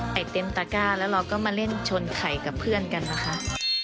เต็มตะก้าแล้วเราก็มาเล่นชนไข่กับเพื่อนกันนะคะ